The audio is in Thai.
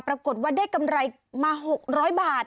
ปรากฏว่าได้กำไรมา๖๐๐บาท